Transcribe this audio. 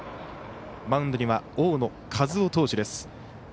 マウンドには大野稼頭央投手です。